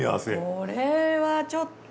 これはちょっと。